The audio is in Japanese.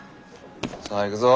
さあ行くぞ。